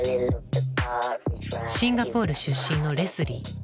シンガポール出身のレスリー。